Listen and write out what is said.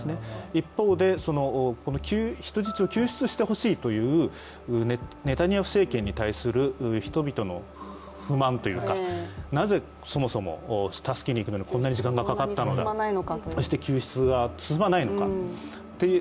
一方で、人質を救出してほしいというネタニヤフ政権に対する人々の不満というかなぜそもそも助けにいくのにこんなに時間がかかったのか、そして救出は進まないのかっていう